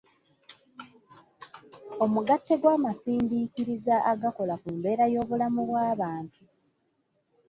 Omugatte gw’amasindiikiriza agakola ku mbeera y’obulamu bw’abantu.